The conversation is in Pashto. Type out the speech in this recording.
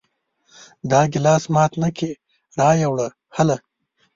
دا ګلاس مات نه کې را یې وړه هله!